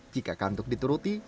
jika kantuk dituruti